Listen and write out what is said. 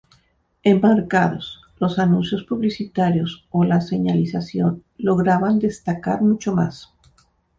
Enmarcados, los anuncios publicitarios o la señalización lograban destacar mucho más.